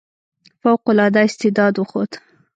فوق العاده استعداد وښود.